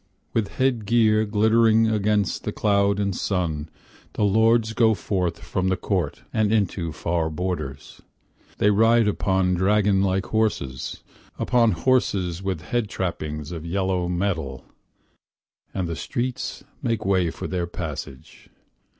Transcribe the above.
With head gear glittering against the cloud and sun, The lords go forth from the court, and into far borders. 84 POEM BY THE BRIDGE AT TEN SHIN They ride upon dragon like horses, Upon horses with head trappings of yellow metal, And the streets make way for their passage.